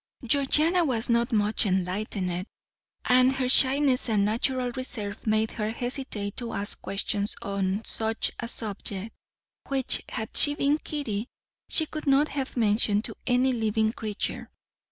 Georgiana was not much enlightened, and her shyness and natural reserve made her hesitate to ask questions on such a subject, which, had she been Kitty, she could not have mentioned to any living creature.